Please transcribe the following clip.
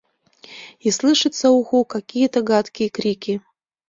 И слышится уху — какие-то гадкие крики